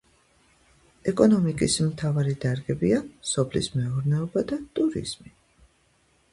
ეკონომიკის მთავარი დარგებია სოფლის მეურნეობა და ტურიზმი.